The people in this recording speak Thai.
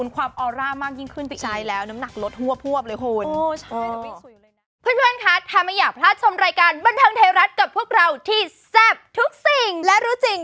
ก็ไม่ได้ลดลด